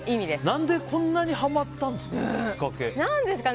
何でこんなにハマったんですか？